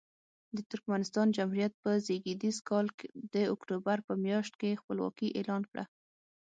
د ترکمنستان جمهوریت په زېږدیز کال د اکتوبر په میاشت کې خپلواکي اعلان کړه.